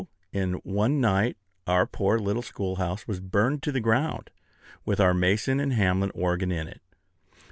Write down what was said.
in one night our poor little schoolhouse was burned to the ground, with our Mason and Hamlin organ in it.